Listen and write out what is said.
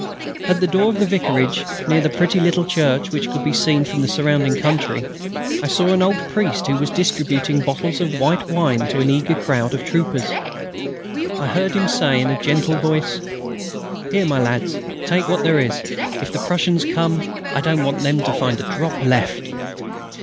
At the door of the vicarage, near the pretty little church which could be seen from the surrounding country, I saw an old priest who was distributing bottles of white wine to an eager crowd of troopers. I heard him say in a gentle voice: "Here, my lads, take what there is. If the Prussians come, I don't want them to find a drop left."